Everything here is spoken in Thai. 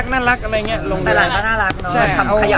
ใช่ใช่